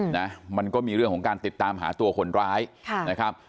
นะมันก็มีเรื่องของการติดตามหาตัวคนร้ายค่ะนะครับ